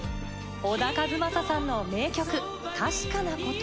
小田和正さんの名曲『たしかなこと』。